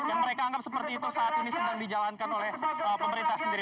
yang mereka anggap seperti itu saat ini sedang dijalankan oleh pemerintah sendiri